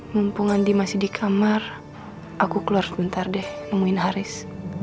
mumpung andi masih di kamar aku keluar sebentar deh nemuin haris